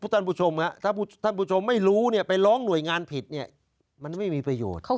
ถ้าท่านผู้ชมไม่รู้ไปร้องหน่วยงานผิดมันไม่มีประโยชน์